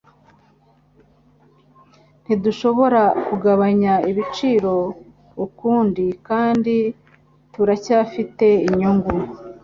Ntidushobora kugabanya ibiciro ukundi kandi turacyafite inyungu.